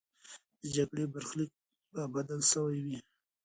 د جګړې برخلیک به بدل سوی وي.